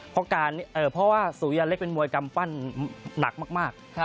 เพราะว่าสุริยาเล็กเป็นมวยกำปั้นหนักมาก